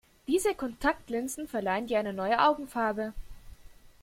Diese Kontaktlinsen verleihen dir eine neue Augenfarbe.